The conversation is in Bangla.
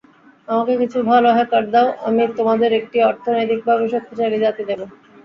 আমাকে কিছু ভালো হ্যাকার দাও, আমি তোমাদের একটি অর্থনৈতিকভাবে শক্তিশালী জাতি দেব।